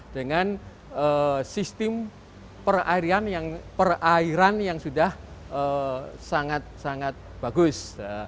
dengan sistem perairan yang sudah sangat sangat bagus